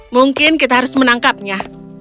mungkin kita harus menangkapnya